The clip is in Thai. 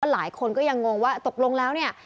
หลายคนก็ยังงงว่าตกลงแล้วเนี่ย